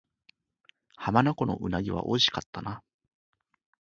浜名湖の鰻は美味しかったな